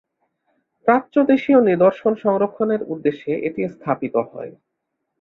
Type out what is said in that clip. প্রাচ্য দেশিয় নিদর্শন সংরক্ষণের উদ্দেশ্যে এটি স্থাপিত হয়।